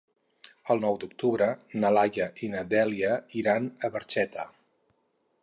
El nou d'octubre na Laia i na Dèlia iran a Barxeta.